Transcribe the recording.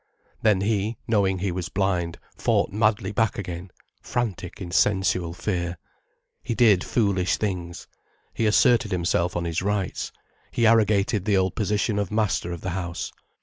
Then he, knowing he was blind, fought madly back again, frantic in sensual fear. He did foolish things. He asserted himself on his rights, he arrogated the old position of master of the house.